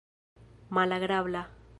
malagrabla